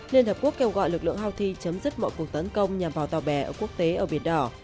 liên hợp quốc kêu gọi lực lượng houthi chấm dứt mọi cuộc tấn công nhằm vào tàu bè ở quốc tế ở biển đỏ